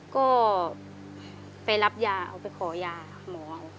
ก็ไปรับยาเอาไปขอยาหมอ